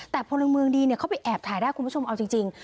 แต่พลเมืองดีเขาไปแอบถ่ายได้คุณผู้ชมเอาจริง